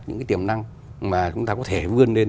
những cái tiềm năng mà chúng ta có thể vươn lên